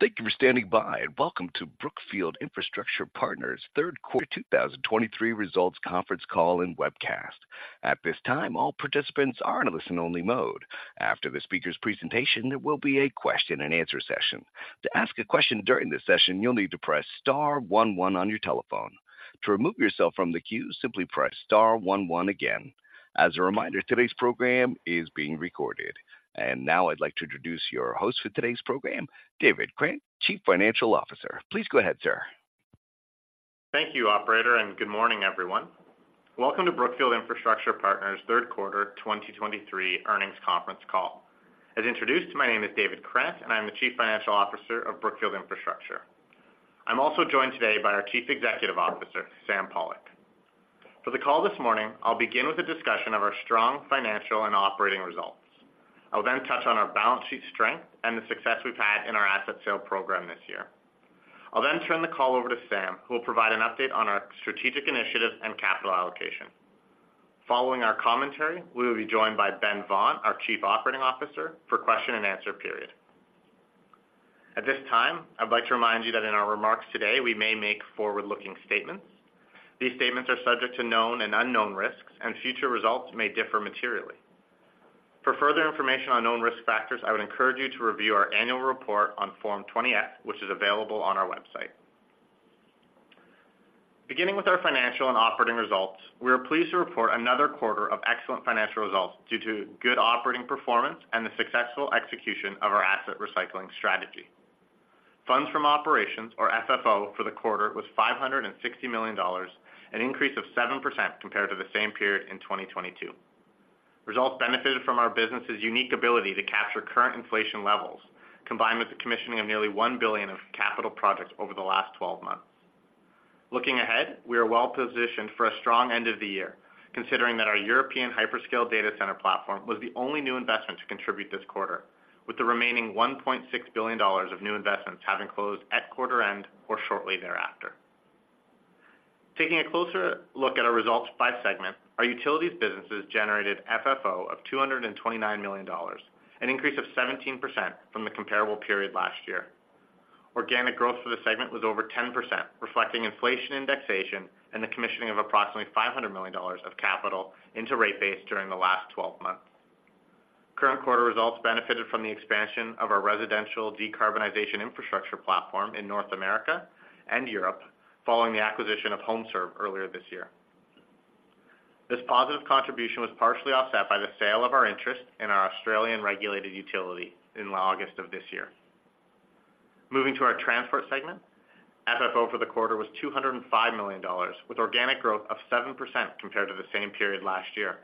Thank you for standing by, and welcome to Brookfield Infrastructure Partners' third quarter 2023 results conference call and webcast. At this time, all participants are in a listen-only mode. After the speaker's presentation, there will be a question-and-answer session. To ask a question during this session, you'll need to press star one one on your telephone. To remove yourself from the queue, simply press star one one again. As a reminder, today's program is being recorded. And now I'd like to introduce your host for today's program, David Krant, Chief Financial Officer. Please go ahead, sir. Thank you, operator, and good morning, everyone. Welcome to Brookfield Infrastructure Partners' third quarter 2023 earnings conference call. As introduced, my name is David Krant, and I'm the Chief Financial Officer of Brookfield Infrastructure. I'm also joined today by our Chief Executive Officer, Sam Pollock. For the call this morning, I'll begin with a discussion of our strong financial and operating results. I'll then touch on our balance sheet strength and the success we've had in our asset sale program this year. I'll then turn the call over to Sam, who will provide an update on our strategic initiatives and capital allocation. Following our commentary, we will be joined by Ben Vaughan, our Chief Operating Officer, for question-and-answer period. At this time, I'd like to remind you that in our remarks today, we may make forward-looking statements. These statements are subject to known and unknown risks, and future results may differ materially. For further information on known risk factors, I would encourage you to review our annual report on Form 20-F, which is available on our website. Beginning with our financial and operating results, we are pleased to report another quarter of excellent financial results due to good operating performance and the successful execution of our asset recycling strategy. Funds From Operations, or FFO, for the quarter was $560 million, an increase of 7% compared to the same period in 2022. Results benefited from our business's unique ability to capture current inflation levels, combined with the commissioning of nearly $1 billion of capital projects over the last twelve months. Looking ahead, we are well positioned for a strong end of the year, considering that our European hyperscale data center platform was the only new investment to contribute this quarter, with the remaining $1.6 billion of new investments having closed at quarter end or shortly thereafter. Taking a closer look at our results by segment, our utilities businesses generated FFO of $229 million, an increase of 17% from the comparable period last year. Organic growth for the segment was over 10%, reflecting inflation indexation and the commissioning of approximately $500 million of capital into rate base during the last twelve months. Current quarter results benefited from the expansion of our residential decarbonization infrastructure platform in North America and Europe, following the acquisition of HomeServe earlier this year. This positive contribution was partially offset by the sale of our interest in our Australian regulated utility in August of this year. Moving to our transport segment, FFO for the quarter was $205 million, with organic growth of 7% compared to the same period last year.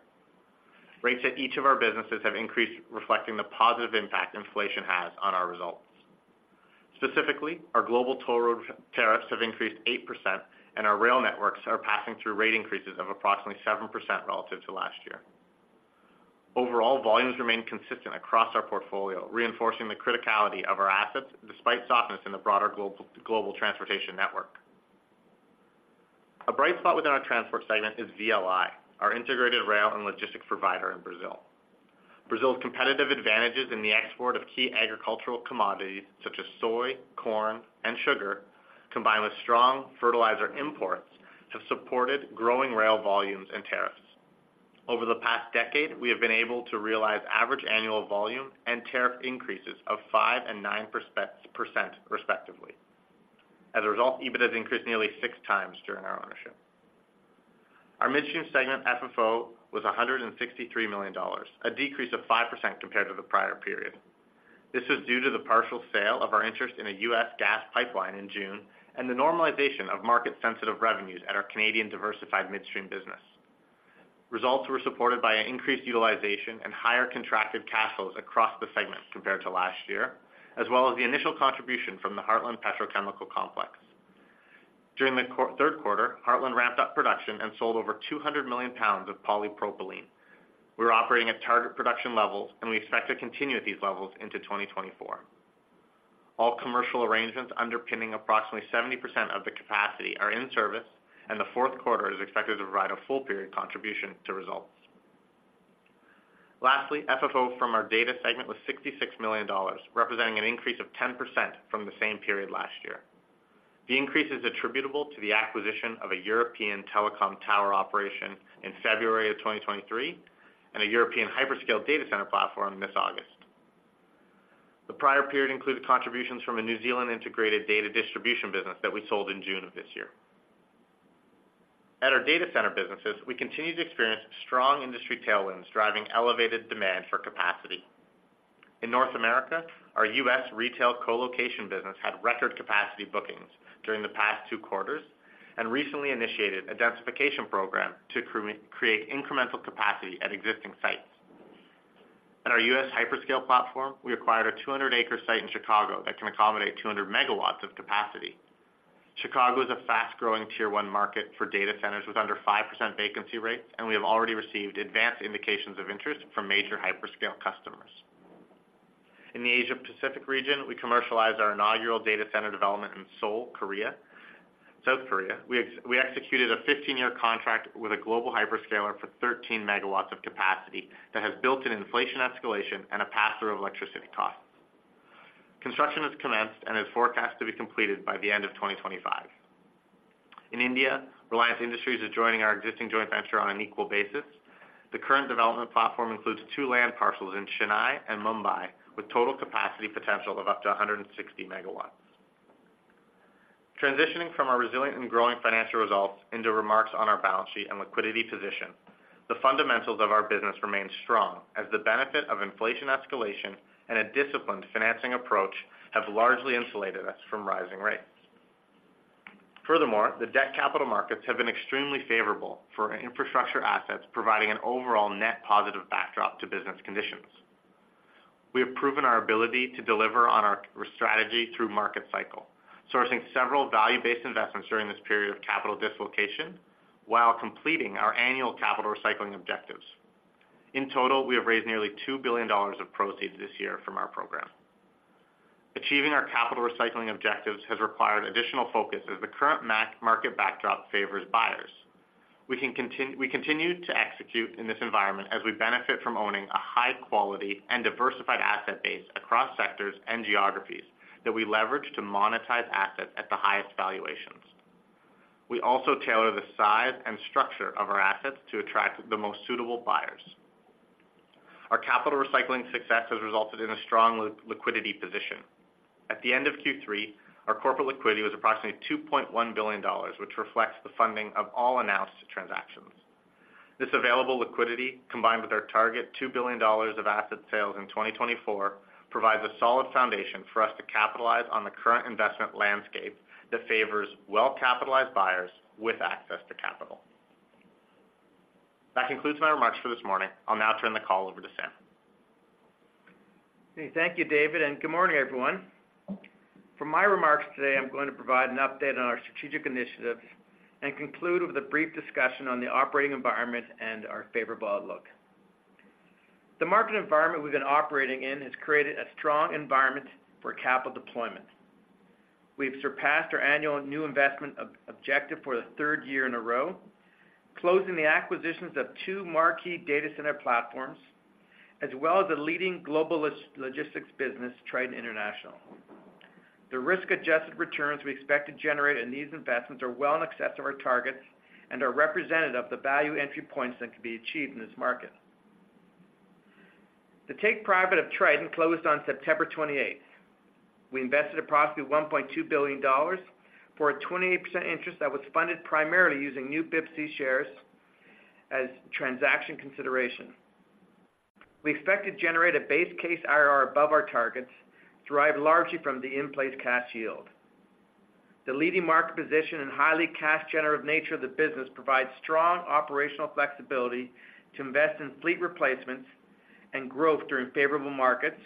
Rates at each of our businesses have increased, reflecting the positive impact inflation has on our results. Specifically, our global toll road tariffs have increased 8%, and our rail networks are passing through rate increases of approximately 7% relative to last year. Overall, volumes remain consistent across our portfolio, reinforcing the criticality of our assets despite softness in the broader global transportation network. A bright spot within our transport segment is VLI, our integrated rail and logistics provider in Brazil. Brazil's competitive advantages in the export of key agricultural commodities such as soy, corn, and sugar, combined with strong fertilizer imports, have supported growing rail volumes and tariffs. Over the past decade, we have been able to realize average annual volume and tariff increases of 5% and 9%, respectively. As a result, EBITDA has increased nearly six times during our ownership. Our midstream segment FFO was $163 million, a decrease of 5% compared to the prior period. This was due to the partial sale of our interest in a U.S. gas pipeline in June and the normalization of market-sensitive revenues at our Canadian diversified midstream business. Results were supported by an increased utilization and higher contracted cash flows across the segment compared to last year, as well as the initial contribution from the Heartland Petrochemical Complex. During the third quarter, Heartland ramped up production and sold over 200 million pounds of polypropylene. We're operating at target production levels, and we expect to continue at these levels into 2024. All commercial arrangements underpinning approximately 70% of the capacity are in service, and the fourth quarter is expected to provide a full period contribution to results. Lastly, FFO from our data segment was $66 million, representing an increase of 10% from the same period last year. The increase is attributable to the acquisition of a European telecom tower operation in February of 2023 and a European hyperscale data center platform this August. The prior period included contributions from a New Zealand integrated data distribution business that we sold in June of this year. At our data center businesses, we continue to experience strong industry tailwinds, driving elevated demand for capacity. In North America, our U.S. retail colocation business had record capacity bookings during the past two quarters and recently initiated a densification program to create incremental capacity at existing sites. At our U.S. hyperscale platform, we acquired a 200-acre site in Chicago that can accommodate 200 MW of capacity. Chicago is a fast-growing Tier 1 market for data centers with under 5% vacancy rates, and we have already received advanced indications of interest from major hyperscale customers. In the Asia Pacific region, we commercialized our inaugural data center development in Seoul, South Korea. We executed a 15-year contract with a global hyperscaler for 13 MW of capacity that has built-in inflation escalation and a pass-through of electricity costs. Construction has commenced and is forecast to be completed by the end of 2025. In India, Reliance Industries is joining our existing joint venture on an equal basis. The current development platform includes two land parcels in Chennai and Mumbai, with total capacity potential of up to 160 MW. Transitioning from our resilient and growing financial results into remarks on our balance sheet and liquidity position, the fundamentals of our business remain strong, as the benefit of inflation escalation and a disciplined financing approach have largely insulated us from rising rates. Furthermore, the debt capital markets have been extremely favorable for infrastructure assets, providing an overall net positive backdrop to business conditions. We have proven our ability to deliver on our strategy through market cycle, sourcing several value-based investments during this period of capital dislocation, while completing our annual capital recycling objectives. In total, we have raised nearly $2 billion of proceeds this year from our program. Achieving our capital recycling objectives has required additional focus as the current market backdrop favors buyers. We continue to execute in this environment as we benefit from owning a high quality and diversified asset base across sectors and geographies that we leverage to monetize assets at the highest valuations. We also tailor the size and structure of our assets to attract the most suitable buyers. Our capital recycling success has resulted in a strong liquidity position. At the end of Q3, our corporate liquidity was approximately $2.1 billion, which reflects the funding of all announced transactions. This available liquidity, combined with our target $2 billion of asset sales in 2024, provides a solid foundation for us to capitalize on the current investment landscape that favors well-capitalized buyers with access to capital. That concludes my remarks for this morning. I'll now turn the call over to Sam. Thank you, David, and good morning, everyone. For my remarks today, I'm going to provide an update on our strategic initiatives and conclude with a brief discussion on the operating environment and our favorable outlook. The market environment we've been operating in has created a strong environment for capital deployment. We've surpassed our annual new investment objective for the third year in a row, closing the acquisitions of two marquee data center platforms, as well as the leading global logistics business, Triton International. The risk-adjusted returns we expect to generate in these investments are well in excess of our targets and are representative of the value entry points that can be achieved in this market. The take private of Triton closed on September 28th. We invested approximately $1.2 billion for a 28% interest that was funded primarily using new BIPC shares as transaction consideration. We expect to generate a base case IRR above our targets, derived largely from the in-place cash yield. The leading market position and highly cash generative nature of the business provides strong operational flexibility to invest in fleet replacements and growth during favorable markets,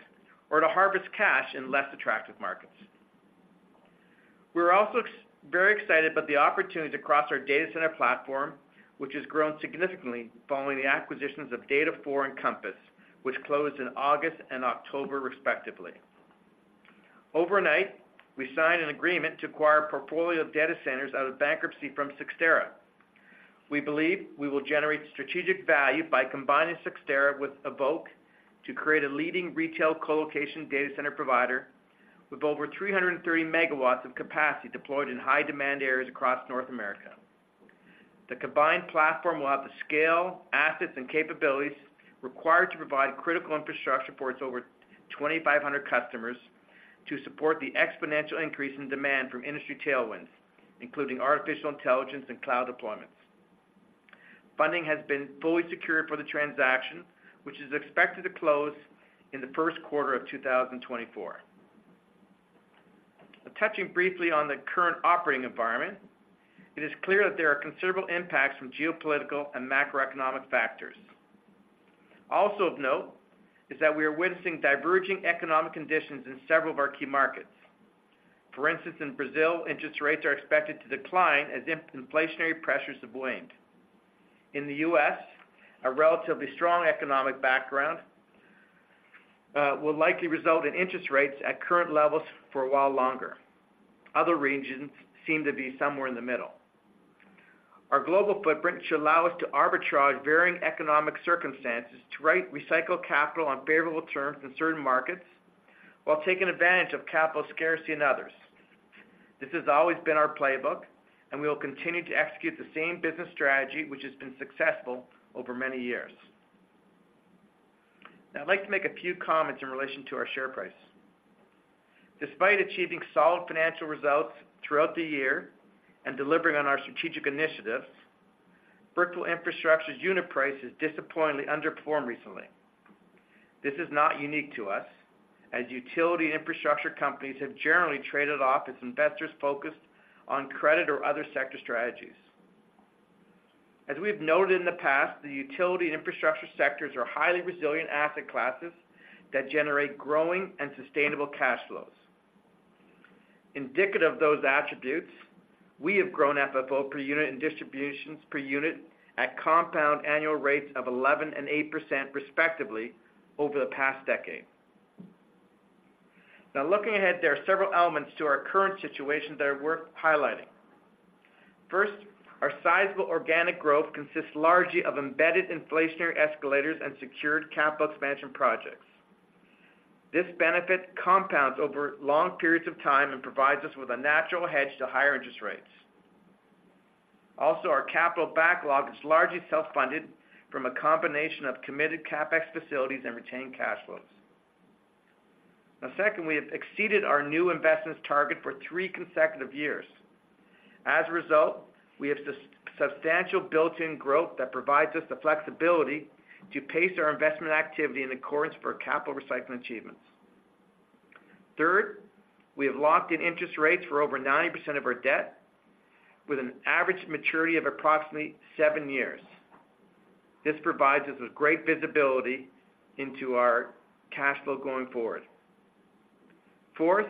or to harvest cash in less attractive markets. We're also very excited about the opportunities across our data center platform, which has grown significantly following the acquisitions of Data4 and Compass, which closed in August and October, respectively. Overnight, we signed an agreement to acquire a portfolio of data centers out of bankruptcy from Cyxtera. We believe we will generate strategic value by combining Cyxtera with Evoque to create a leading retail colocation data center provider with over 330 MW of capacity deployed in high-demand areas across North America. The combined platform will have the scale, assets, and capabilities required to provide critical infrastructure for its over 2,500 customers to support the exponential increase in demand from industry tailwinds, including artificial intelligence and cloud deployments. Funding has been fully secured for the transaction, which is expected to close in the first quarter of 2024. Touching briefly on the current operating environment, it is clear that there are considerable impacts from geopolitical and macroeconomic factors. Also of note is that we are witnessing diverging economic conditions in several of our key markets. For instance, in Brazil, interest rates are expected to decline as inflationary pressures have waned. In the U.S., a relatively strong economic background will likely result in interest rates at current levels for a while longer. Other regions seem to be somewhere in the middle. Our global footprint should allow us to arbitrage varying economic circumstances to recycle capital on favorable terms in certain markets while taking advantage of capital scarcity in others. This has always been our playbook, and we will continue to execute the same business strategy, which has been successful over many years. Now, I'd like to make a few comments in relation to our share price. Despite achieving solid financial results throughout the year and delivering on our strategic initiatives, Brookfield Infrastructure's unit price has disappointingly underperformed recently. This is not unique to us, as utility infrastructure companies have generally traded off as investors focused on credit or other sector strategies. As we have noted in the past, the utility and infrastructure sectors are highly resilient asset classes that generate growing and sustainable cash flows. Indicative of those attributes, we have grown FFO per unit and distributions per unit at compound annual rates of 11% and 8%, respectively, over the past decade. Now looking ahead, there are several elements to our current situation that are worth highlighting. First, our sizable organic growth consists largely of embedded inflationary escalators and secured capital expansion projects. This benefit compounds over long periods of time and provides us with a natural hedge to higher interest rates. Also, our capital backlog is largely self-funded from a combination of committed CapEx facilities and retained cash flows. Now, second, we have exceeded our new investments target for three consecutive years. As a result, we have substantial built-in growth that provides us the flexibility to pace our investment activity in accordance for capital recycling achievements. Third, we have locked in interest rates for over 90% of our debt, with an average maturity of approximately seven years. This provides us with great visibility into our cash flow going forward. Fourth,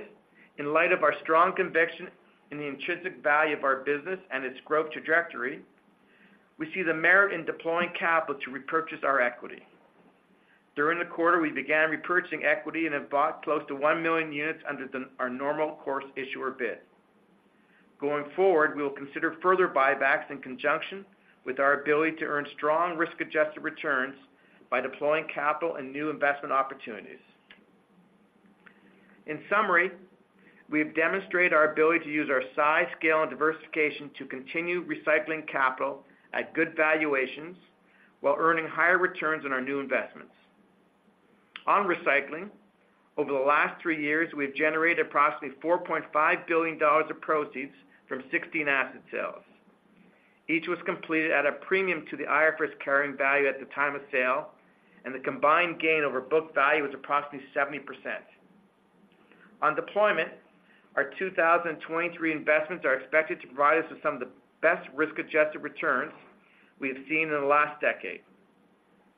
in light of our strong conviction in the intrinsic value of our business and its growth trajectory, we see the merit in deploying capital to repurchase our equity. During the quarter, we began repurchasing equity and have bought close to 1 million units under our Normal Course Issuer Bid. Going forward, we will consider further buybacks in conjunction with our ability to earn strong risk-adjusted returns by deploying capital and new investment opportunities. In summary, we have demonstrated our ability to use our size, scale, and diversification to continue recycling capital at good valuations while earning higher returns on our new investments. On recycling, over the last three years, we have generated approximately $4.5 billion of proceeds from 16 asset sales. Each was completed at a premium to the IFRS carrying value at the time of sale, and the combined gain over book value is approximately 70%. On deployment, our 2023 investments are expected to provide us with some of the best risk-adjusted returns we have seen in the last decade.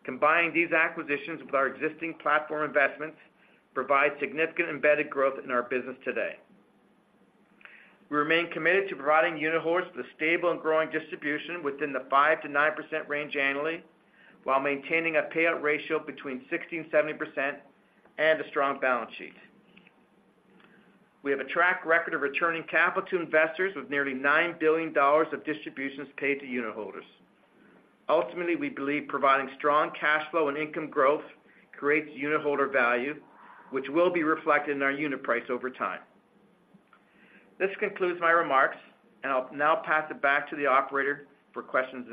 Combining these acquisitions with our existing platform investments, provide significant embedded growth in our business today. We remain committed to providing unitholders with a stable and growing distribution within the 5%-9% range annually, while maintaining a payout ratio between 60%-70% and a strong balance sheet. We have a track record of returning capital to investors with nearly $9 billion of distributions paid to unitholders. Ultimately, we believe providing strong cash flow and income growth creates unitholder value, which will be reflected in our unit price over time. This concludes my remarks, and I'll now pass it back to the operator for questions.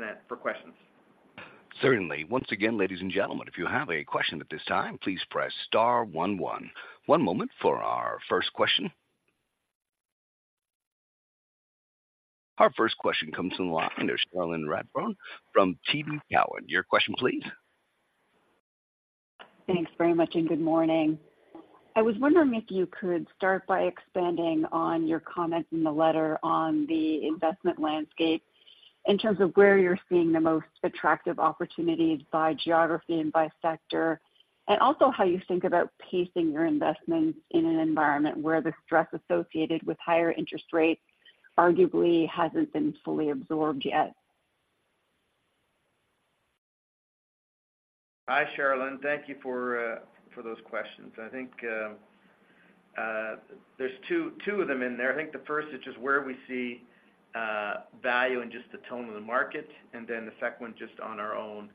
Certainly. Once again, ladies and gentlemen, if you have a question at this time, please press star one, one. One moment for our first question. Our first question comes from the line of Cherilyn Radbourne from TD Cowen. Your question, please. Thanks very much, and good morning. I was wondering if you could start by expanding on your comment in the letter on the investment landscape, in terms of where you're seeing the most attractive opportunities by geography and by sector, and also how you think about pacing your investments in an environment where the stress associated with higher interest rates arguably hasn't been fully absorbed yet? Hi, Cherilyn. Thank you for those questions. I think there's two of them in there. I think the first is just where we see value and just the tone of the market, and then the second one, just on our own,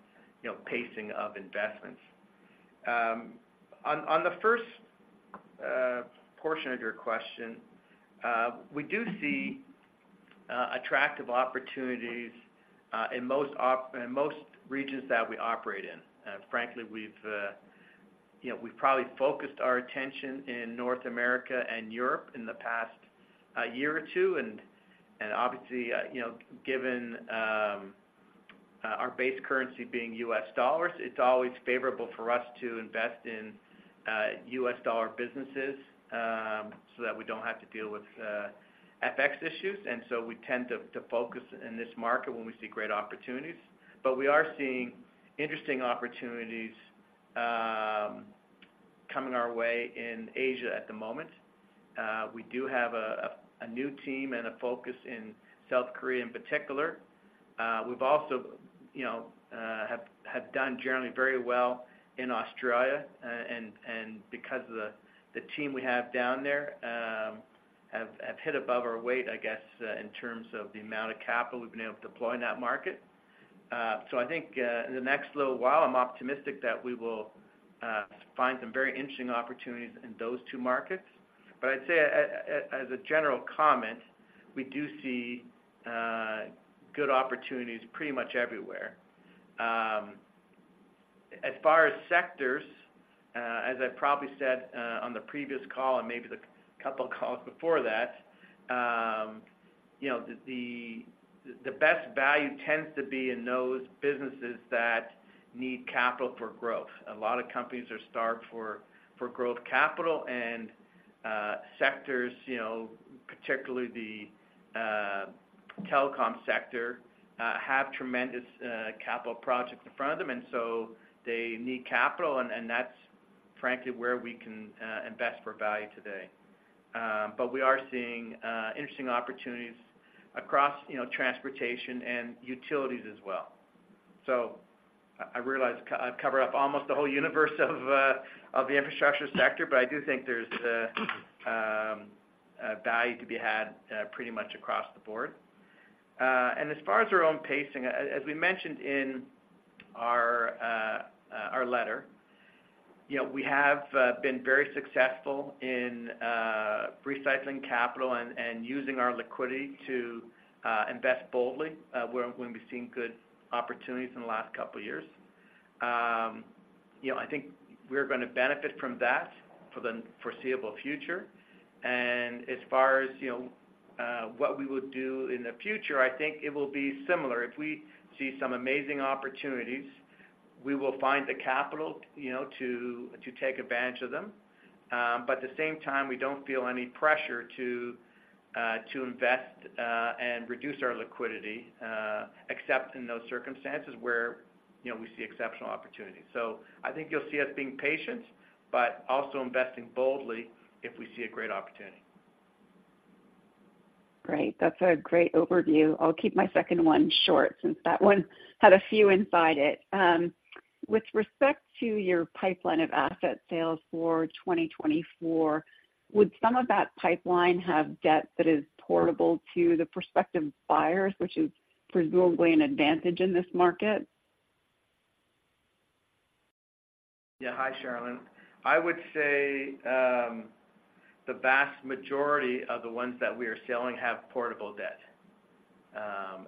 you know, pacing of investments. On the first portion of your question, we do see attractive opportunities in most regions that we operate in. Frankly, you know, we've probably focused our attention in North America and Europe in the past year or two, and obviously, you know, given our base currency being U.S. dollars, it's always favorable for us to invest in U.S. dollar businesses, so that we don't have to deal with FX issues. So we tend to focus in this market when we see great opportunities. But we are seeing interesting opportunities coming our way in Asia at the moment. We do have a new team and a focus in South Korea in particular. We've also, you know, have done generally very well in Australia, and because of the team we have down there, have hit above our weight, I guess, in terms of the amount of capital we've been able to deploy in that market. So I think in the next little while, I'm optimistic that we will find some very interesting opportunities in those two markets. But I'd say as a general comment, we do see good opportunities pretty much everywhere. As far as sectors, as I probably said on the previous call and maybe the couple of calls before that, you know, the best value tends to be in those businesses that need capital for growth. A lot of companies are starved for growth capital and sectors, you know, particularly the telecom sector, have tremendous capital projects in front of them, and so they need capital, and that's frankly where we can invest for value today. But we are seeing interesting opportunities across, you know, transportation and utilities as well. So I realize I've covered up almost the whole universe of the infrastructure sector, but I do think there's a value to be had pretty much across the board. And as far as our own pacing, as we mentioned in our letter, you know, we have been very successful in recycling capital and using our liquidity to invest boldly where, when we've seen good opportunities in the last couple of years. You know, I think we're gonna benefit from that for the foreseeable future. And as far as, you know, what we would do in the future, I think it will be similar. If we see some amazing opportunities, we will find the capital, you know, to take advantage of them. But at the same time, we don't feel any pressure to invest and reduce our liquidity except in those circumstances where, you know, we see exceptional opportunities. I think you'll see us being patient, but also investing boldly if we see a great opportunity. Great. That's a great overview. I'll keep my second one short, since that one had a few inside it. With respect to your pipeline of asset sales for 2024, would some of that pipeline have debt that is portable to the prospective buyers, which is presumably an advantage in this market? Yeah. Hi, Cherilyn. I would say the vast majority of the ones that we are selling have portable debt.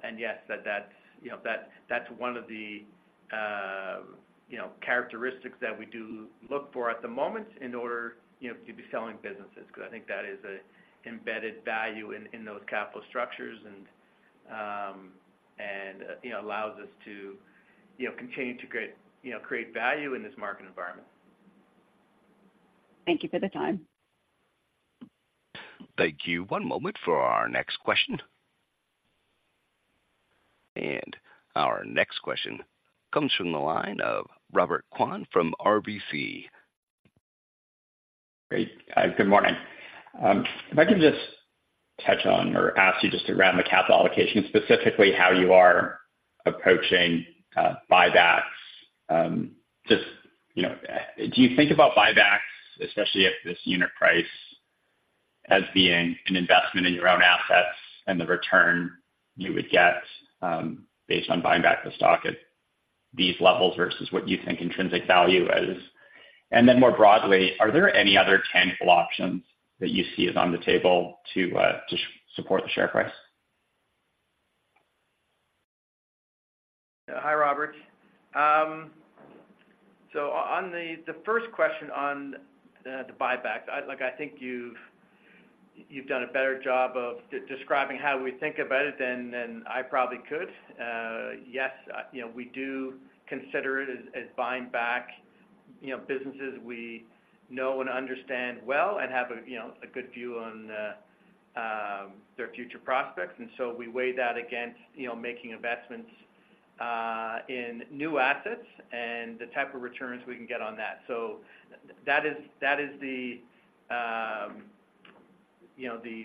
And yes, that's, you know, that's one of the characteristics that we do look for at the moment in order, you know, to be selling businesses, because I think that is a embedded value in those capital structures, and you know, allows us to, you know, continue to create, you know, create value in this market environment. Thank you for the time. Thank you. One moment for our next question. Our next question comes from the line of Robert Kwan from RBC. Great. Good morning. If I could just touch on or ask you just around the capital allocation, specifically how you are approaching buybacks. Just, you know, do you think about buybacks, especially at this unit price, as being an investment in your own assets and the return you would get based on buying back the stock at these levels versus what you think intrinsic value is? And then more broadly, are there any other tangible options that you see is on the table to support the share price? Hi, Robert. So on the first question on the buybacks, like, I think you've done a better job of describing how we think about it than I probably could. Yes, you know, we do consider it as buying back, you know, businesses we know and understand well and have a, you know, a good view on their future prospects. So we weigh that against, you know, making investments in new assets and the type of returns we can get on that. So that is the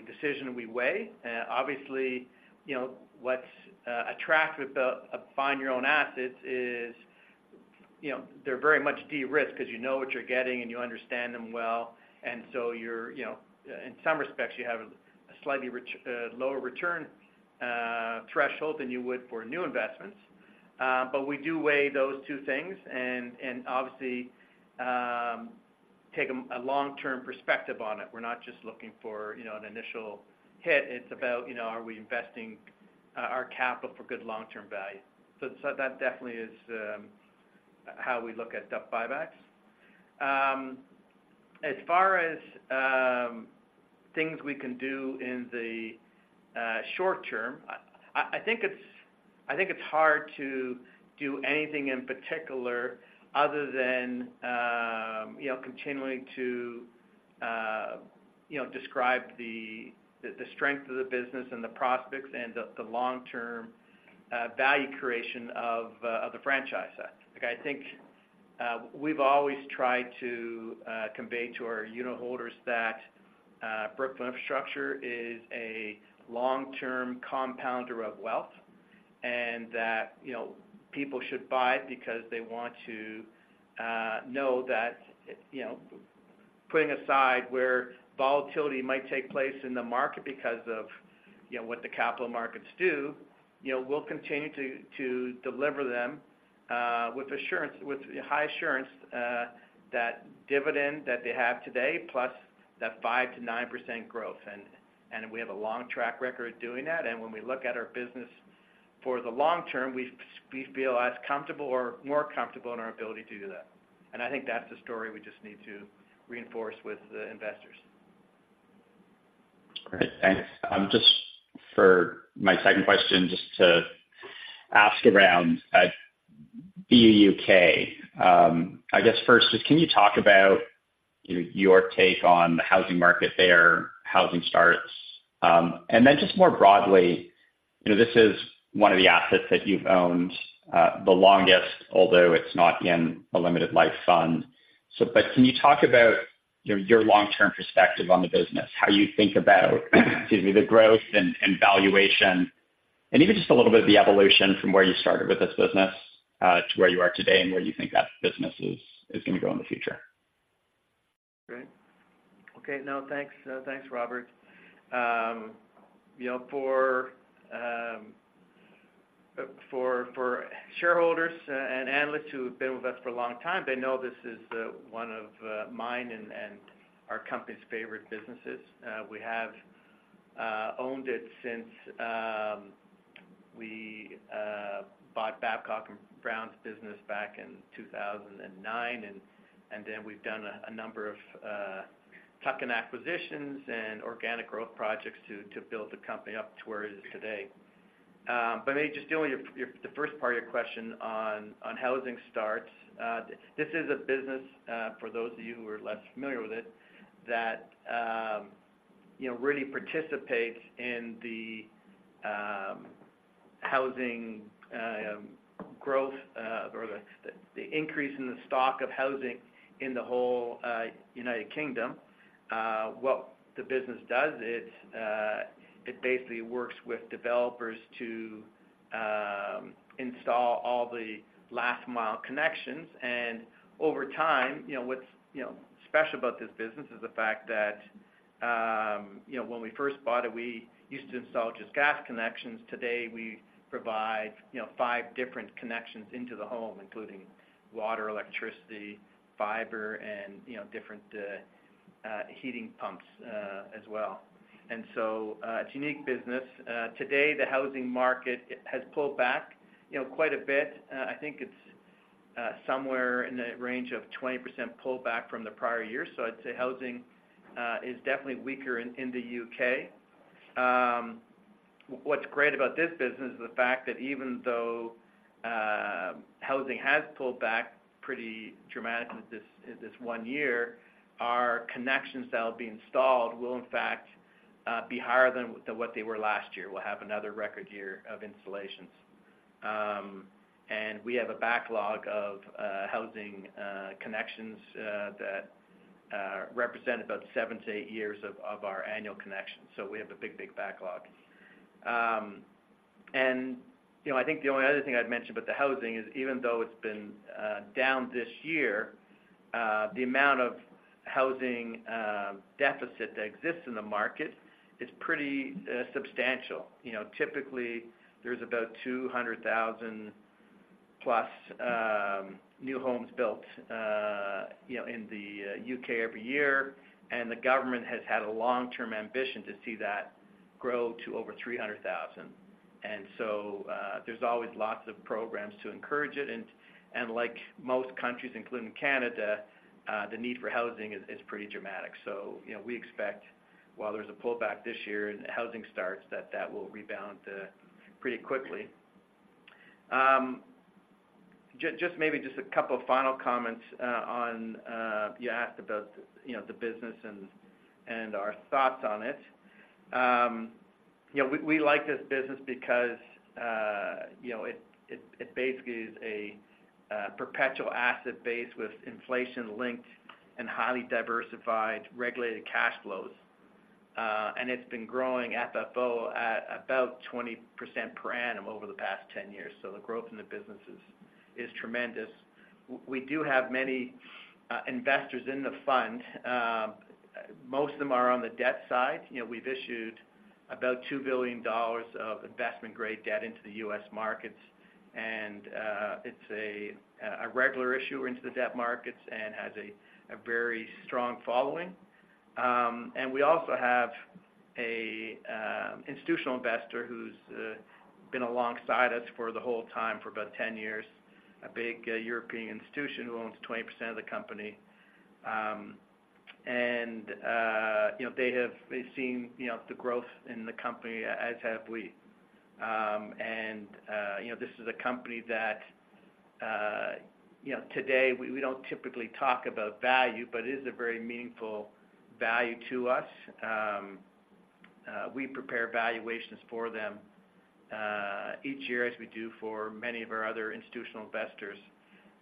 decision we weigh. Obviously, you know, what's attractive about buying your own assets is, you know, they're very much de-risked because you know what you're getting and you understand them well. And so you're, you know, in some respects, you have a slightly lower return threshold than you would for new investments. But we do weigh those two things and obviously take a long-term perspective on it. We're not just looking for, you know, an initial hit. It's about, you know, are we investing our capital for good long-term value? So that definitely is how we look at buybacks. As far as things we can do in the short term, I think it's hard to do anything in particular other than, you know, continuing to, you know, describe the strength of the business and the prospects and the long-term value creation of the franchise set. Like, I think, we've always tried to convey to our unitholders that Brookfield Infrastructure is a long-term compounder of wealth, and that, you know, people should buy it because they want to know that, you know, putting aside where volatility might take place in the market because of, you know, what the capital markets do, you know, we'll continue to deliver them with assurance, with high assurance that dividend that they have today, plus that 5%-9% growth. And we have a long track record of doing that. And when we look at our business for the long term, we feel as comfortable or more comfortable in our ability to do that. And I think that's the story we just need to reinforce with the investors. Great. Thanks. Just for my second question, just to ask around, BUUK. I guess first, just can you talk about, you know, your take on the housing market there, housing starts? And then just more broadly. You know, this is one of the assets that you've owned the longest, although it's not in a limited life fund. So, but can you talk about your long-term perspective on the business? How you think about, excuse me, the growth and valuation, and even just a little bit of the evolution from where you started with this business to where you are today, and where you think that business is gonna go in the future? Great. Okay, now, thanks, thanks, Robert. You know, for, for shareholders and analysts who have been with us for a long time, they know this is one of mine and our company's favorite businesses. We have owned it since we bought Babcock and Brown's business back in 2009, and then we've done a number of tuck-in acquisitions and organic growth projects to build the company up to where it is today. But maybe just dealing with your the first part of your question on housing starts. This is a business, for those of you who are less familiar with it, that you know really participates in the housing growth or the increase in the stock of housing in the whole United Kingdom. What the business does is it basically works with developers to install all the last mile connections. Over time, you know what's special about this business is the fact that you know when we first bought it we used to install just gas connections. Today, we provide you know five different connections into the home, including water, electricity, fiber, and you know different heating pumps as well. So it's a unique business. Today, the housing market has pulled back you know quite a bit. I think it's somewhere in the range of 20% pullback from the prior year. So I'd say housing is definitely weaker in the U.K. What's great about this business is the fact that even though housing has pulled back pretty dramatically this one year, our connections that will be installed will, in fact, be higher than what they were last year. We'll have another record year of installations. And we have a backlog of housing connections that represent about seven-eight years of our annual connections. So we have a big, big backlog. And, you know, I think the only other thing I'd mention about the housing is, even though it's been down this year, the amount of housing deficit that exists in the market is pretty substantial. You know, typically, there's about 200,000 plus new homes built, you know, in the U.K. every year, and the government has had a long-term ambition to see that grow to over 300,000. And so, there's always lots of programs to encourage it. And, like most countries, including Canada, the need for housing is pretty dramatic. So you know, we expect while there's a pullback this year in housing starts, that that will rebound pretty quickly. Just maybe just a couple of final comments, on you asked about, you know, the business and our thoughts on it. You know, we like this business because, you know, it basically is a perpetual asset base with inflation-linked and highly diversified, regulated cash flows. And it's been growing FFO at about 20% per annum over the past 10 years. So the growth in the business is tremendous. We do have many investors in the fund. Most of them are on the debt side. You know, we've issued about $2 billion of investment-grade debt into the U.S. markets, and it's a regular issuer into the debt markets and has a very strong following. And we also have an institutional investor who's been alongside us for the whole time, for about 10 years, a big European institution who owns 20% of the company. You know, they've seen, you know, the growth in the company, as have we. And you know, this is a company that, you know, today we don't typically talk about value, but it is a very meaningful value to us. We prepare valuations for them each year, as we do for many of our other institutional investors.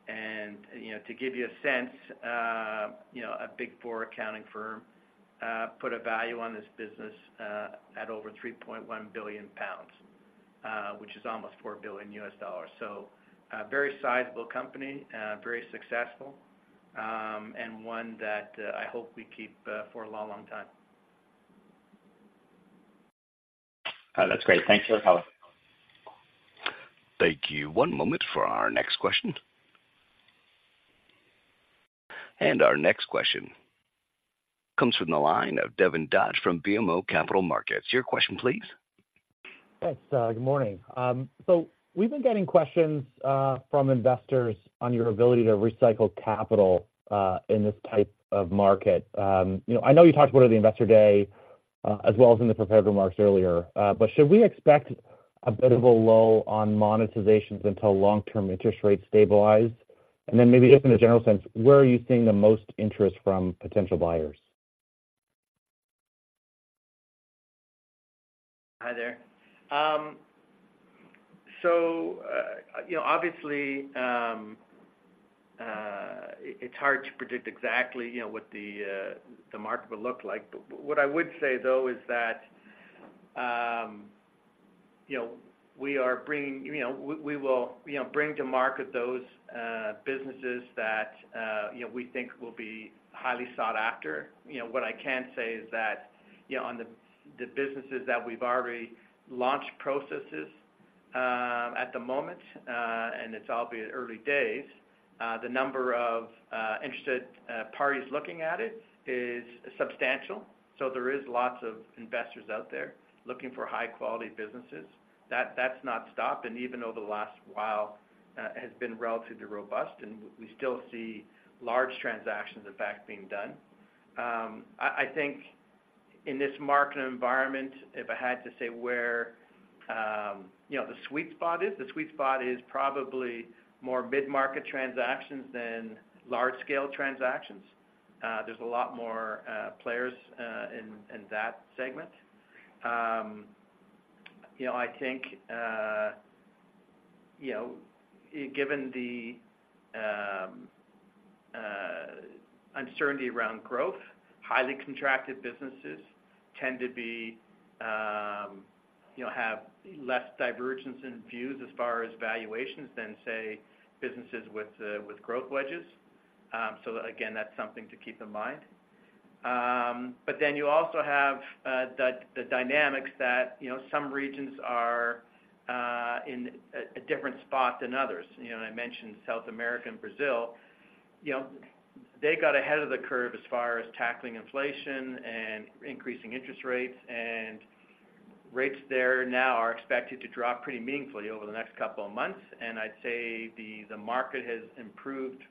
And you know, to give you a sense, you know, a Big Four accounting firm put a value on this business at over 3.1 billion pounds, which is almost $4 billion. So a very sizable company, very successful, and one that I hope we keep for a long, long time. That's great. Thanks for your help. Thank you. One moment for our next question. Our next question comes from the line of Devin Dodge from BMO Capital Markets. Your question, please. Thanks, good morning. So we've been getting questions from investors on your ability to recycle capital in this type of market. You know, I know you talked about it at the Investor Day, as well as in the prepared remarks earlier, but should we expect a bit of a lull on monetizations until long-term interest rates stabilize? Then maybe just in a general sense, where are you seeing the most interest from potential buyers? ...Hi there. So, you know, obviously, it's hard to predict exactly, you know, what the market will look like. But what I would say, though, is that, you know, we are bringing, you know, we will, you know, bring to market those businesses that, you know, we think will be highly sought after. You know, what I can say is that, you know, on the businesses that we've already launched processes, at the moment, and it's obviously early days, the number of interested parties looking at it is substantial. So there is lots of investors out there looking for high-quality businesses. That's not stopped, and even over the last while, has been relatively robust, and we still see large transactions, in fact, being done. I think in this market environment, if I had to say where, you know, the sweet spot is, the sweet spot is probably more mid-market transactions than large-scale transactions. There's a lot more players in that segment. You know, I think, you know, given the uncertainty around growth, highly contracted businesses tend to be, you know, have less divergence in views as far as valuations than, say, businesses with growth wedges. So again, that's something to keep in mind. But then you also have the dynamics that, you know, some regions are in a different spot than others. You know, and I mentioned South America and Brazil. You know, they got ahead of the curve as far as tackling inflation and increasing interest rates, and rates there now are expected to drop pretty meaningfully over the next couple of months. I'd say the market has improved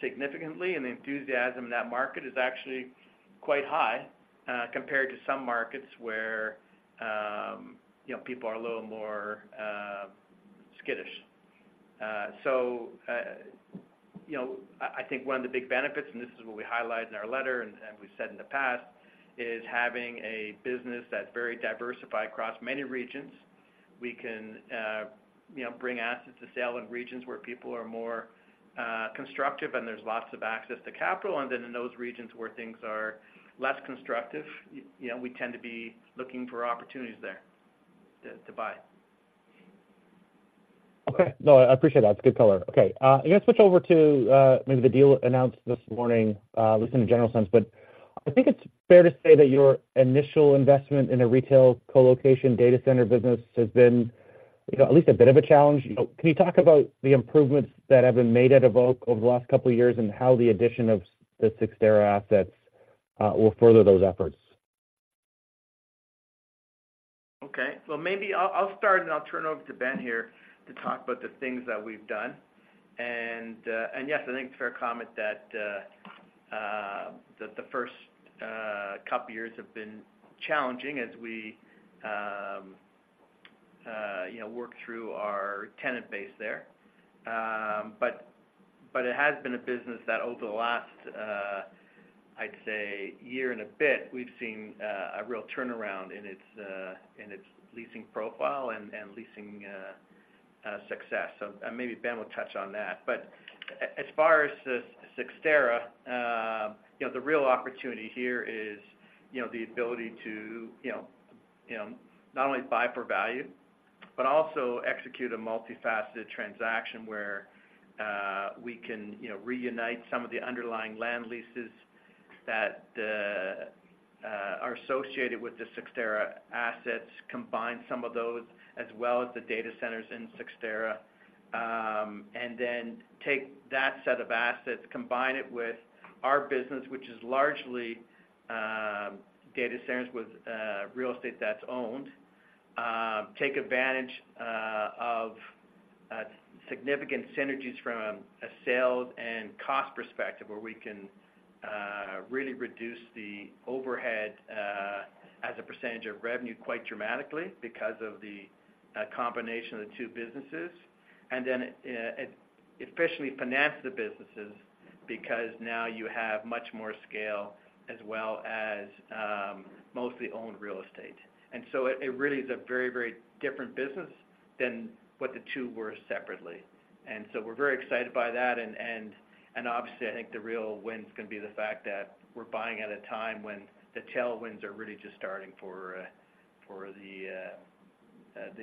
significantly, and the enthusiasm in that market is actually quite high, compared to some markets where, you know, people are a little more skittish. So, you know, I think one of the big benefits, and this is what we highlight in our letter and we've said in the past, is having a business that's very diversified across many regions. We can, you know, bring assets to sale in regions where people are more constructive, and there's lots of access to capital. And then in those regions where things are less constructive, you know, we tend to be looking for opportunities there to buy. Okay. No, I appreciate that. It's a good color. Okay, I'm going to switch over to maybe the deal announced this morning just in a general sense. But I think it's fair to say that your initial investment in a retail colocation data center business has been, you know, at least a bit of a challenge. Can you talk about the improvements that have been made at Evoque over the last couple of years and how the addition of the Cyxtera assets will further those efforts? Okay. Well, maybe I'll, I'll start, and I'll turn it over to Ben here to talk about the things that we've done. And yes, I think it's a fair comment that the first couple years have been challenging as we, you know, work through our tenant base there. But it has been a business that over the last, I'd say year and a bit, we've seen a real turnaround in its leasing profile and leasing success. So maybe Ben will touch on that. But as far as the Cyxtera, you know, the real opportunity here is, you know, the ability to, you know, not only buy for value, but also execute a multifaceted transaction where we can, you know, reunite some of the underlying land leases that are associated with the Cyxtera assets, combine some of those, as well as the data centers in Cyxtera. And then take that set of assets, combine it with our business, which is largely data centers with real estate that's owned. Take advantage of significant synergies from a sales and cost perspective, where we can really reduce the overhead as a percentage of revenue quite dramatically because of the combination of the two businesses. And then, especially finance the businesses, because now you have much more scale as well as, mostly owned real estate. And so it, it really is a very, very different business than what the two were separately. And so we're very excited by that. And, and, and obviously, I think the real win is going to be the fact that we're buying at a time when the tailwinds are really just starting for the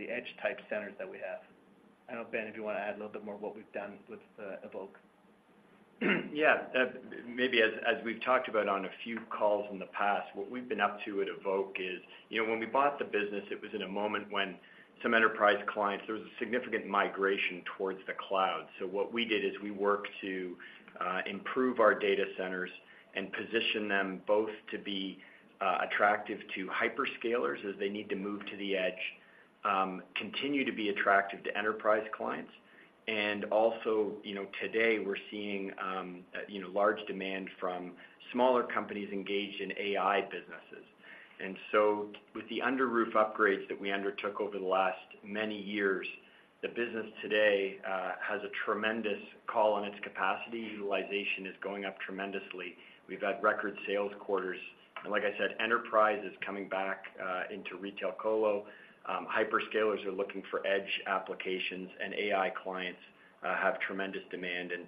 edge-type centers that we have. I don't know, Ben, if you want to add a little bit more what we've done with Evoque. Yeah. Maybe as we've talked about on a few calls in the past, what we've been up to at Evoque is... You know, when we bought the business, it was in a moment when some enterprise clients, there was a significant migration towards the cloud. So what we did is we worked to improve our data centers and position them both to be attractive to hyperscalers as they need to move to the edge, continue to be attractive to enterprise clients, and also, you know, today we're seeing large demand from smaller companies engaged in AI businesses.... So with the under roof upgrades that we undertook over the last many years, the business today has a tremendous call on its capacity. Utilization is going up tremendously. We've had record sales quarters, and like I said, enterprise is coming back into retail colo. Hyperscalers are looking for edge applications, and AI clients have tremendous demand. And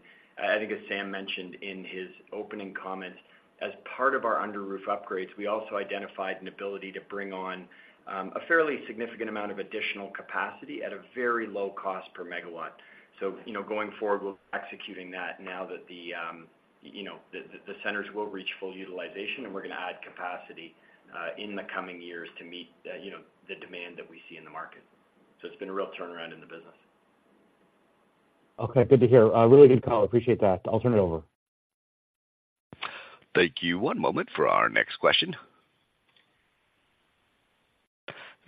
I think as Sam mentioned in his opening comments, as part of our under roof upgrades, we also identified an ability to bring on a fairly significant amount of additional capacity at a very low cost per megawatt. So, you know, going forward, we're executing that now that the, you know, the centers will reach full utilization, and we're going to add capacity in the coming years to meet the, you know, the demand that we see in the market. It's been a real turnaround in the business. Okay, good to hear. Really good call. Appreciate that. I'll turn it over. Thank you. One moment for our next question.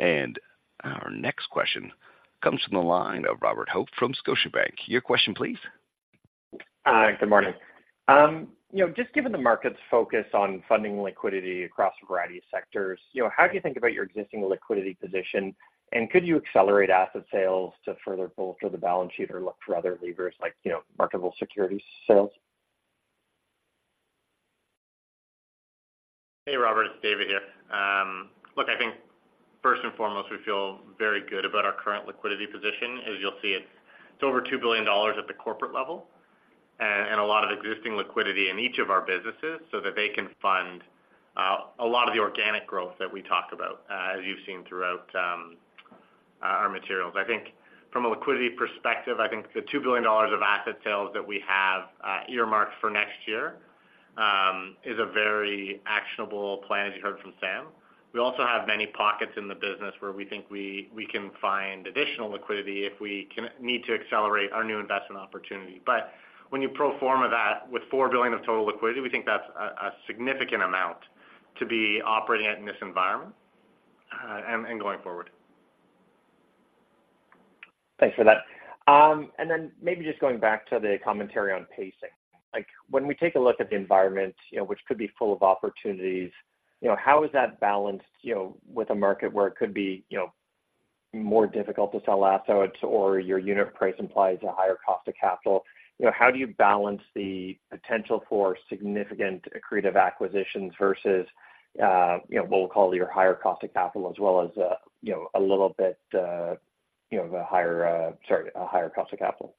Our next question comes from the line of Robert Hope from Scotiabank. Your question, please. Hi, good morning. You know, just given the market's focus on funding liquidity across a variety of sectors, you know, how do you think about your existing liquidity position? Could you accelerate asset sales to further bolster the balance sheet or look for other levers, like, you know, marketable security sales? Hey, Robert, it's David here. Look, I think first and foremost, we feel very good about our current liquidity position. As you'll see, it's over $2 billion at the corporate level and a lot of existing liquidity in each of our businesses so that they can fund a lot of the organic growth that we talked about, as you've seen throughout our materials. I think from a liquidity perspective, I think the $2 billion of asset sales that we have earmarked for next year is a very actionable plan, as you heard from Sam. We also have many pockets in the business where we think we can find additional liquidity if we need to accelerate our new investment opportunity. But when you pro forma that with $4 billion of total liquidity, we think that's a significant amount to be operating at in this environment, and going forward. Thanks for that. And then maybe just going back to the commentary on pacing. Like, when we take a look at the environment, you know, which could be full of opportunities, you know, how is that balanced, you know, with a market where it could be, you know, more difficult to sell assets or your unit price implies a higher cost of capital? You know, how do you balance the potential for significant accretive acquisitions versus, you know, what we'll call your higher cost of capital, as well as, you know, the higher, sorry, a higher cost of capital?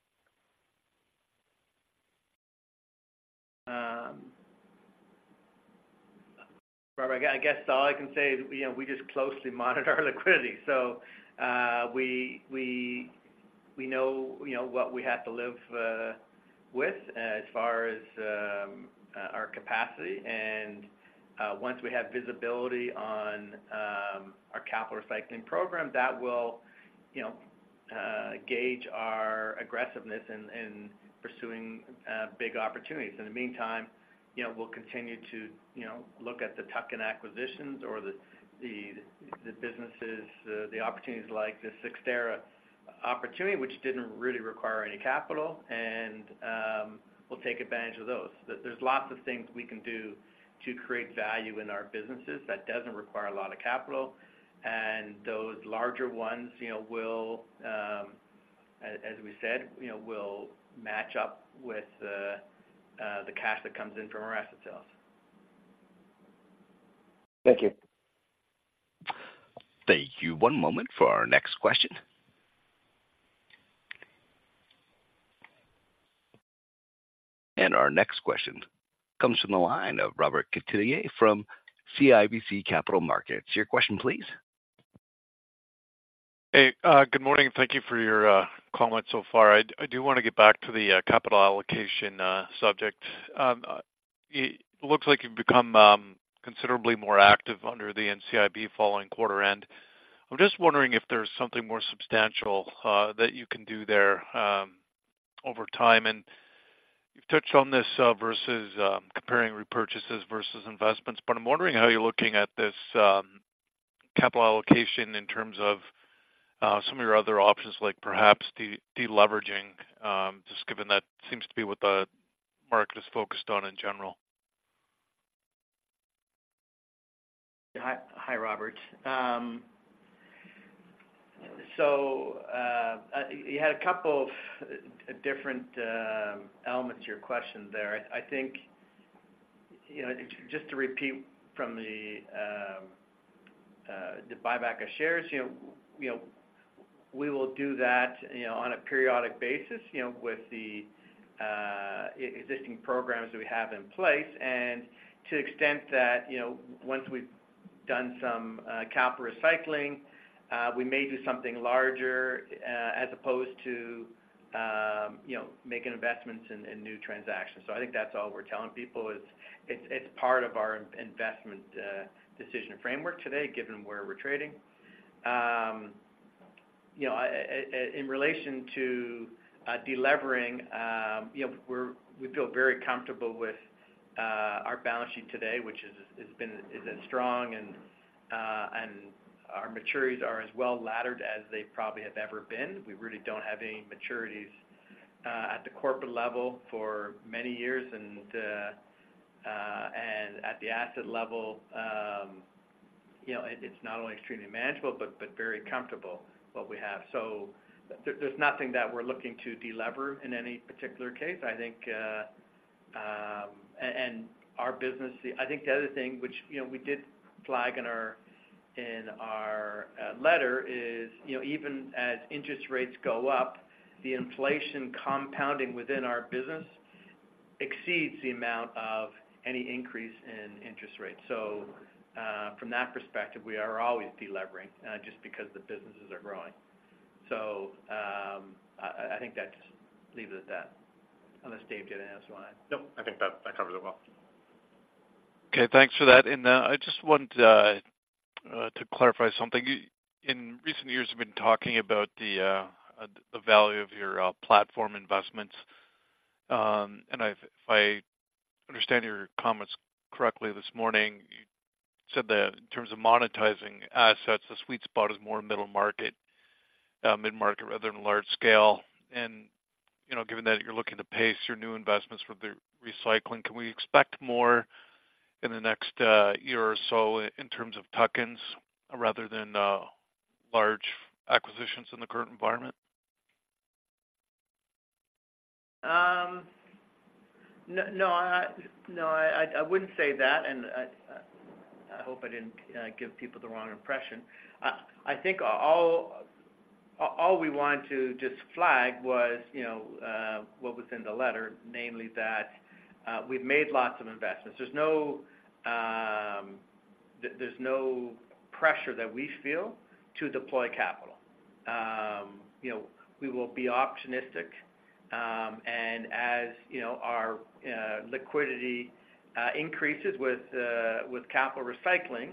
Robert, I guess all I can say is, you know, we just closely monitor our liquidity. So, we know, you know, what we have to live with as far as our capacity, and once we have visibility on our capital recycling program, that will, you know, gauge our aggressiveness in pursuing big opportunities. In the meantime, you know, we'll continue to, you know, look at the tuck-in acquisitions or the businesses, the opportunities like the Cyxtera opportunity, which didn't really require any capital, and we'll take advantage of those. There's lots of things we can do to create value in our businesses that doesn't require a lot of capital, and those larger ones, you know, will, as we said, you know, will match up with the cash that comes in from our asset sales. Thank you. Thank you. One moment for our next question. Our next question comes from the line of Robert Catellier from CIBC Capital Markets. Your question, please. Hey, good morning, and thank you for your comments so far. I do want to get back to the capital allocation subject. It looks like you've become considerably more active under the NCIB following quarter end. I'm just wondering if there's something more substantial that you can do there over time. And you've touched on this versus comparing repurchases versus investments, but I'm wondering how you're looking at this capital allocation in terms of some of your other options, like perhaps deleveraging, just given that seems to be what the market is focused on in general. Hi, hi, Robert. So, you had a couple of different elements to your question there. I think, you know, just to repeat from the, the buyback of shares, you know, you know, we will do that, you know, on a periodic basis, you know, with the, existing programs that we have in place. And to the extent that, you know, once we've done some, capital recycling, we may do something larger, as opposed to, you know, making investments in, in new transactions. So I think that's all we're telling people is it's, it's part of our investment, decision framework today, given where we're trading. You know, in, in relation to, delevering, you know, we feel very comfortable with, our balance sheet today, which is, has been, is strong and... Our maturities are as well laddered as they probably have ever been. We really don't have any maturities at the corporate level for many years, and at the asset level, you know, it, it's not only extremely manageable, but very comfortable what we have. So there's nothing that we're looking to delever in any particular case. I think, and our business, I think the other thing which, you know, we did flag in our, in our, letter is, you know, even as interest rates go up, the inflation compounding within our business exceeds the amount of any increase in interest rates. So, from that perspective, we are always delevering, just because the businesses are growing. So, I think that just leaves it at that, unless Dave you had to add something. Nope, I think that, that covers it well. Okay, thanks for that. And, I just wanted to clarify something. In recent years, you've been talking about the value of your platform investments. And I've... If I understand your comments correctly this morning, you said that in terms of monetizing assets, the sweet spot is more middle market, mid-market rather than large scale. And, you know, given that you're looking to pace your new investments with the recycling, can we expect more in the next year or so in terms of tuck-ins rather than large acquisitions in the current environment? No, I wouldn't say that, and I hope I didn't give people the wrong impression. I think all we wanted to just flag was, you know, what was in the letter, namely that we've made lots of investments. There's no pressure that we feel to deploy capital. You know, we will be optionistic, and as you know, our liquidity increases with capital recycling,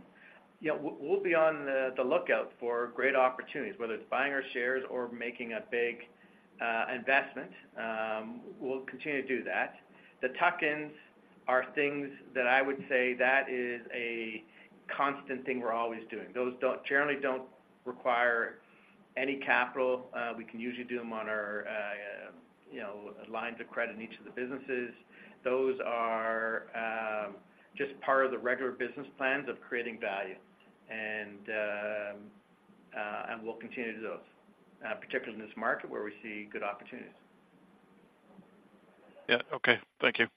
you know, we'll be on the lookout for great opportunities, whether it's buying our shares or making a big investment. We'll continue to do that. The tuck-ins are things that I would say that is a constant thing we're always doing. Those don't generally require any capital. We can usually do them on our, you know, lines of credit in each of the businesses. Those are just part of the regular business plans of creating value. And we'll continue to do those, particularly in this market, where we see good opportunities. Yeah, okay. Thank you.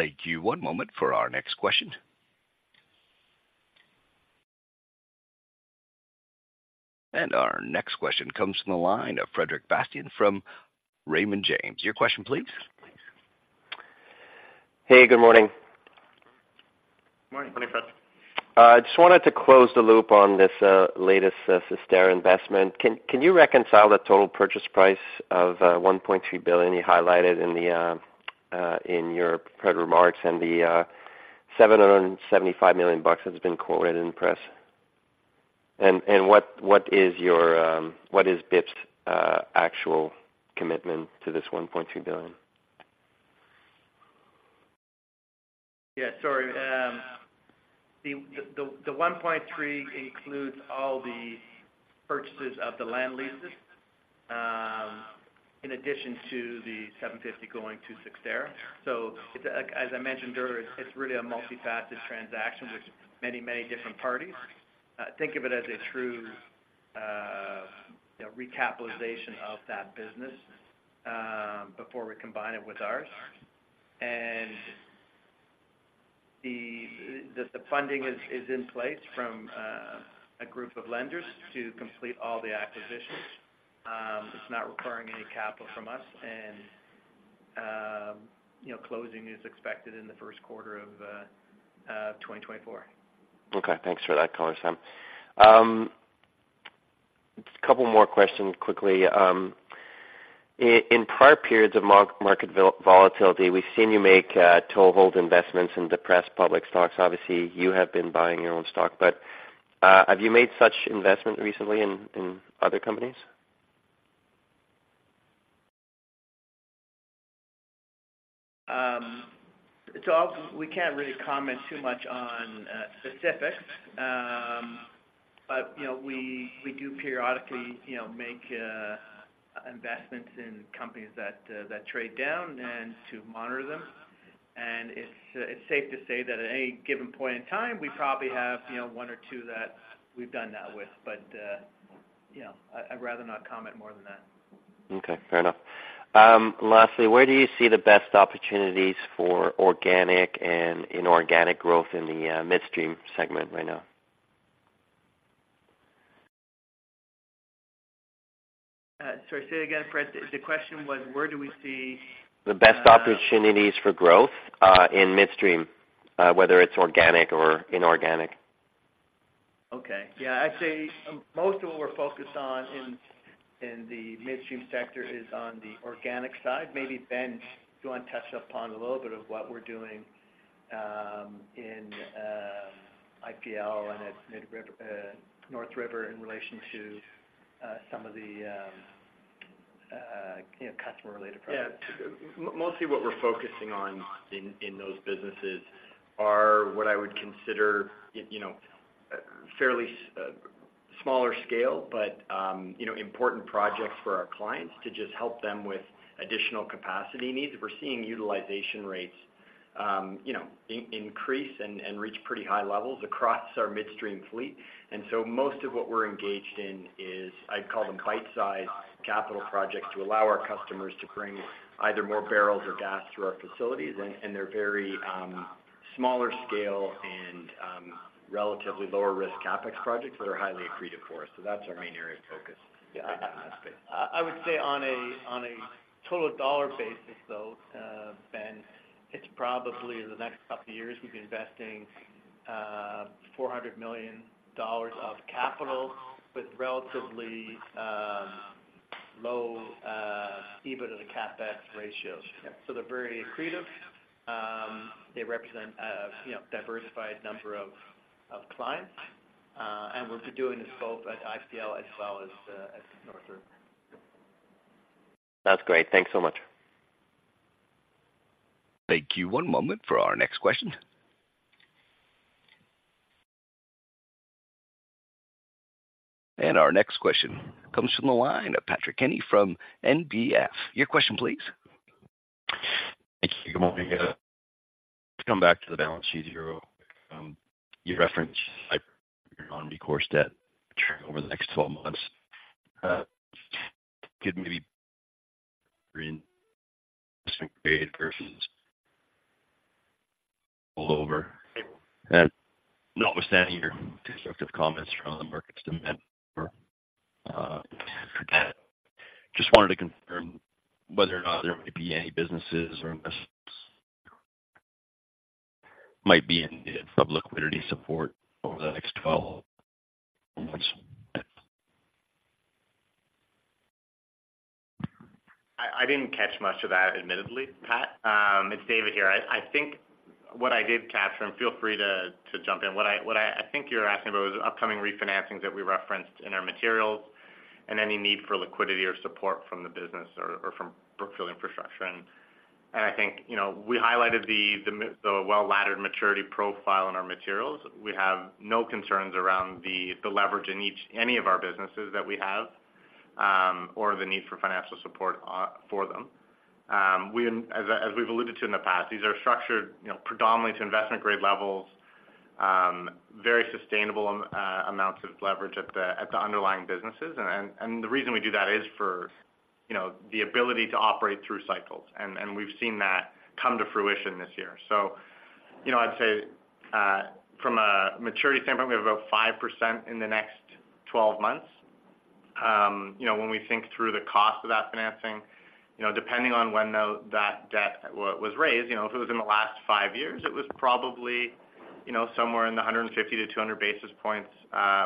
Thank you. One moment for our next question. And our next question comes from the line of Frederic Bastien from Raymond James. Your question, please. Hey, good morning. Morning, Frederic. Just wanted to close the loop on this latest Cyxtera investment. Can you reconcile the total purchase price of $1.3 billion you highlighted in your prepared remarks and the $775 million bucks that's been quoted in the press? And what is BIP's actual commitment to this $1.2 billion? Yeah, sorry. The 1.3 includes all the purchases of the land leases, in addition to the $750 going to Cyxtera. So it's, as I mentioned earlier, it's really a multifaceted transaction with many, many different parties. Think of it as a true, you know, recapitalization of that business, before we combine it with ours. And the funding is in place from a group of lenders to complete all the acquisitions. It's not requiring any capital from us and, you know, closing is expected in the first quarter of 2024. Okay, thanks for that clarity, Sam. Just a couple more questions quickly. In prior periods of market volatility, we've seen you make toehold investments in depressed public stocks. Obviously, you have been buying your own stock, but have you made such investment recently in other companies? So, we can't really comment too much on specifics. But, you know, we do periodically, you know, make investments in companies that trade down and to monitor them. And it's safe to say that at any given point in time, we probably have, you know, one or two that we've done that with. But, you know, I'd rather not comment more than that. Okay, fair enough. Lastly, where do you see the best opportunities for organic and inorganic growth in the midstream segment right now? Sorry, say again, Fred. The question was, where do we see- The best opportunities for growth in midstream, whether it's organic or inorganic. Okay. Yeah, I'd say, most of what we're focused on in the midstream sector is on the organic side. Maybe, Ben, do you want to touch upon a little bit of what we're doing in IPL and at midstream, North River in relation to some of the, you know, customer-related projects. Yeah. Mostly what we're focusing on in, in those businesses are what I would consider, you know, fairly smaller scale, but, you know, important projects for our clients to just help them with additional capacity needs. We're seeing utilization rates, you know, increase and, and reach pretty high levels across our midstream fleet. And so most of what we're engaged in is, I'd call them bite-sized capital projects to allow our customers to bring either more barrels or gas through our facilities, and, and they're very, smaller scale and, relatively lower risk CapEx projects that are highly accretive for us. So that's our main area of focus, yeah, in that space. I would say on a total dollar basis, though, Ben, it's probably the next couple of years we've been investing $400 million of capital with relatively low EBITDA to CapEx ratios. Yep. So they're very accretive. They represent, you know, diversified number of, of clients, and we'll be doing this both at IPL as well as at North River. That's great. Thanks so much. Thank you. One moment for our next question. Our next question comes from the line of Patrick Kenny from NBF. Your question, please. Thank you. Good morning. Let's come back to the balance sheet here. You referenced your non-recourse debt maturing over the next 12 months. Could maybe bring investment grade versus rollover. And notwithstanding your constructive comments from other markets demand for, just wanted to confirm whether or not there might be any businesses or might be in need of liquidity support over the next 12 months? I didn't catch much of that, admittedly, Pat. It's David here. I think what I did capture, and feel free to jump in. What I think you're asking about was upcoming refinancings that we referenced in our materials and any need for liquidity or support from the business or from Brookfield Infrastructure. And I think, you know, we highlighted the well-laddered maturity profile in our materials. We have no concerns around the leverage in each any of our businesses that we have or the need for financial support for them. We, as we've alluded to in the past, these are structured, you know, predominantly to investment grade levels, very sustainable amounts of leverage at the underlying businesses. The reason we do that is for, you know, the ability to operate through cycles, and we've seen that come to fruition this year. So, you know, I'd say from a maturity standpoint, we have about 5% in the next 12 months. You know, when we think through the cost of that financing, you know, depending on when that debt was raised, you know, if it was in the last 5 years, it was probably, you know, somewhere in the 150-200 basis points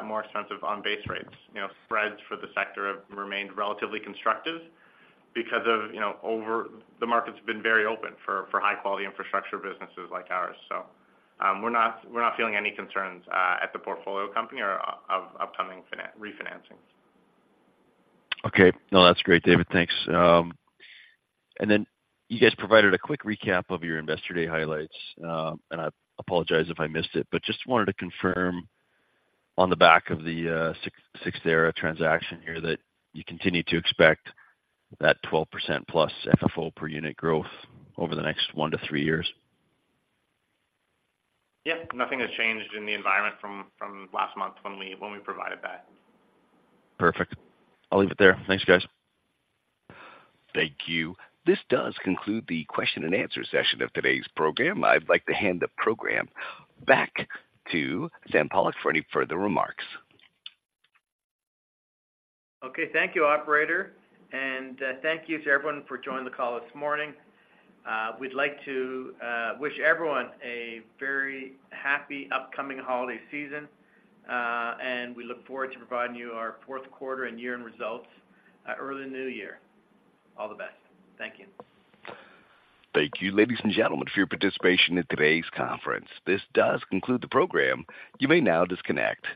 more expensive on base rates. You know, spreads for the sector have remained relatively constructive because of, you know, the market's been very open for high-quality infrastructure businesses like ours. So, we're not feeling any concerns at the portfolio company or of upcoming refinancing. Okay. No, that's great, David. Thanks. And then you guys provided a quick recap of your Investor Day highlights, and I apologize if I missed it, but just wanted to confirm on the back of the Cyxtera transaction here, that you continue to expect that 12%+ FFO per unit growth over the next 1-3 years? Yep. Nothing has changed in the environment from last month when we provided that. Perfect. I'll leave it there. Thanks, guys. Thank you. This does conclude the question and answer session of today's program. I'd like to hand the program back to Sam Pollock for any further remarks. Okay, thank you, operator, and thank you to everyone for joining the call this morning. We'd like to wish everyone a very happy upcoming holiday season, and we look forward to providing you our fourth quarter and year-end results early in the new year. All the best. Thank you. Thank you, ladies and gentlemen, for your participation in today's conference. This does conclude the program. You may now disconnect.